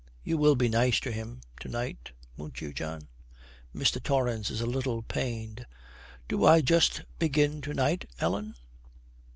'You will be nice to him to night won't you, John?' Mr. Torrance is a little pained. 'Do I just begin to night, Ellen?'